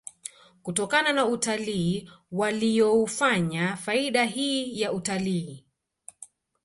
kutokana na utalii waliyoufanya faida hii ya utalii